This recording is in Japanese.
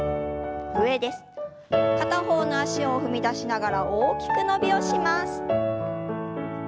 片方の脚を踏み出しながら大きく伸びをします。